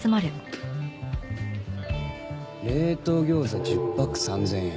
冷凍餃子１０パック３０００円。